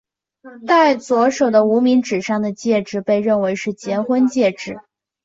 戴左手的无名指上的戒指被认为是结婚戒指。